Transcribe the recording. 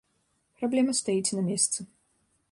Праблема стаіць на месцы.